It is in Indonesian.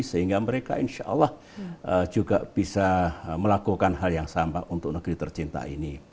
sehingga mereka insya allah juga bisa melakukan hal yang sama untuk negeri tercinta ini